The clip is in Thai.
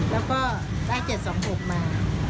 แล้วก็ได้๗๒๖มา